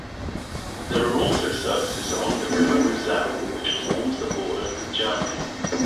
There are also services along the River Moselle which forms the border with Germany.